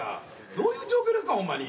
どういう状況ですかほんまに。